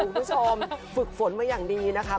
คุณผู้ชมฝึกฝนมาอย่างดีนะคะ